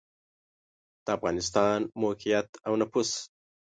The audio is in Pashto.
د افغانستان موقعیت او نفوس